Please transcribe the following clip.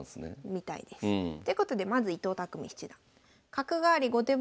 みたいです。ということでまず伊藤匠七段。